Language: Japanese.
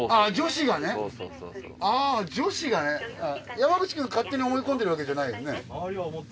山口くんが勝手に思い込んでるわけじゃないよね？